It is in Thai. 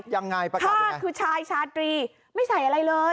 ยังไงประกาศคือชายชาตรีไม่ใส่อะไรเลย